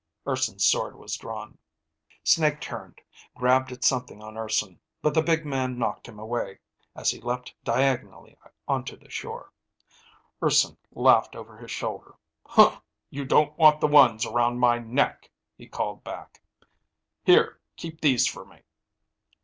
Urson's sword was drawn. Snake turned, grabbed at something on Urson, but the big man knocked him away as he leapt diagonally onto the shore. Urson laughed over his shoulder. "You don't want the ones around my neck," he called back. "Here, keep these for me."